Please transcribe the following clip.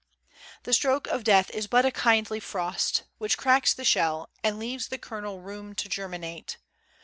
The stroke of Death is but a kindly frost, Which cracks the shell, and leaves the kernel room To germinate.